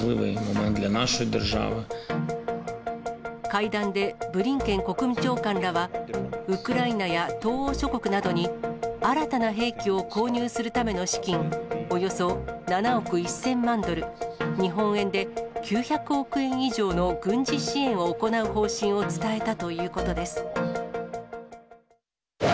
会談で、ブリンケン国務長官らはウクライナや東欧諸国などに、新たな兵器を購入するための資金、およそ７億１０００万ドル、日本円で９００億円以上の軍事支援を行う方針を伝えたということです。